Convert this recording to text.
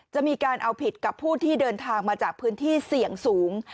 จะมีการเอาผิดกับผู้ที่เดินทางมาจากพื้นที่เสี่ยงสูง